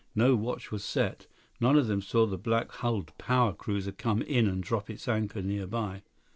No watch was set. None of them saw the black hulled power cruiser come in and drop its anchor nearby.